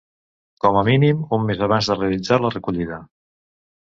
Com a mínim un mes abans de realitzar la recollida.